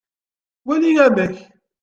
Wali amek!